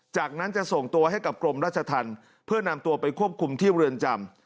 จากนั้นจะส่งตัวให้กับกรมราชธรรมเพื่อนำตัวไปควบคุมที่เรือนจำ